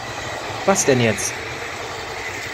Was denn jetzt?